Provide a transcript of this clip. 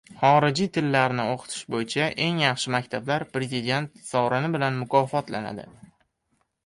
Xorijiy tillarni o‘qitish bo‘yicha eng yaxshi maktablar Prezident sovrini bilan mukofotlanadi